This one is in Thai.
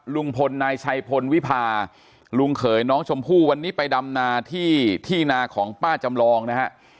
ลุงพลนายชัยพลวิพาลุงเขยน้องชมพู่วันนี้ไปดำนาที่ที่นาของป้าจำลองนะฮะ